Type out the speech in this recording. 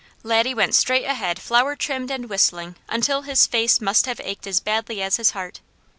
Laddie went straight ahead flower trimmed and whistling until his face must have ached as badly as his heart.